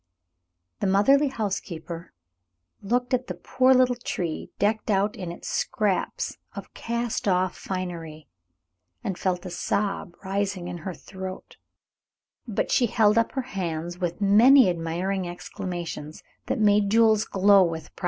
The motherly housekeeper looked at the poor little tree, decked out in its scraps of cast off finery, and felt a sob rising in her throat, but she held up her hands with many admiring exclamations that made Jules glow with pride.